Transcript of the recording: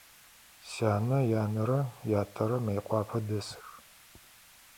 Сянэ янэрэ ятэрэ Мыекъуапэ дэсых.